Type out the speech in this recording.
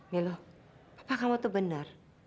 milo papa kamu tuh benar